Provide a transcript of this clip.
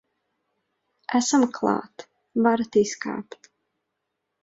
Esam klāt, varat izkāpt.